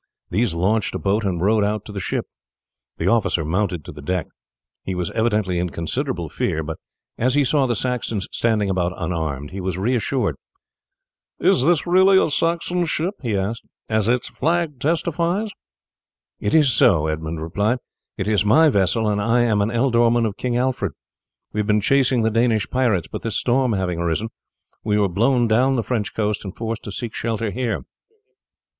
These launched a boat and rowed out to the ship. The officer mounted to the deck. He was evidently in considerable fear, but as he saw the Saxons standing about unarmed he was reassured. "Is this really a Saxon ship," he asked, "as its flag testifies?" "It is so," Edmund replied; "it is my vessel, and I am an ealdorman of King Alfred. We have been chasing the Danish pirates, but this storm having arisen, we were blown down the French coast and forced to seek shelter here."